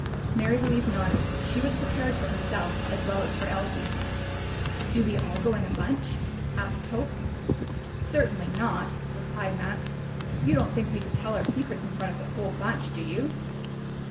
Mary Louise nodded; she was prepared for herself as well as for Elsie. "Do we all go in in a bunch?" asked Hope. "Certainly not!" replied Max. "You don't think we could tell our secrets in front of the whole bunch, do you?"